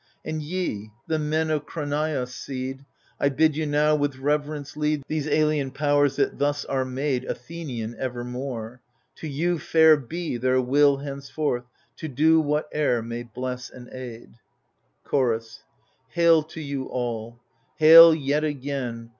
And ye, the men of Cranaos' seed, I bid you now with reverence lead These alien Powers that thus are made Athenian evermore. To you Fair be their will henceforth, to do Whatever may bless and aid t Chorus Hail to you all t hail yet again.